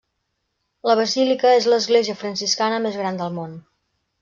La Basílica és l'església franciscana més gran del món.